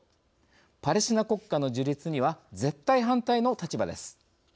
パレスチナ国家の樹立には絶対反対の立場です。